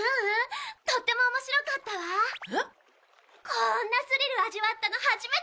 こんなスリル味わったの初めてよ。